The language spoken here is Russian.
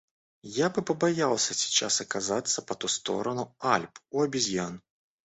Я бы побоялся сейчас оказаться по ту сторону Альп у обезьян.